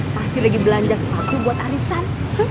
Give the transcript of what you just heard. pasti lagi belanja sepatu buat arisan